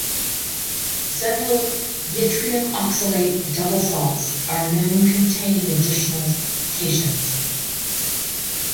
Several yttrium oxalate double salts are known containing additional cations.